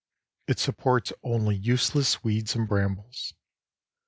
It supports only useless weeds and brambles.